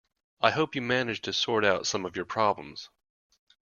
I hope you managed to sort out some of your problems.